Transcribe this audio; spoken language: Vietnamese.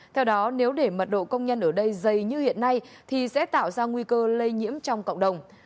theo đó nếu để mật độ công nhân ở đây dày như hiện nay thì sẽ tạo ra nguy cơ lây nhiễm trong cộng đồng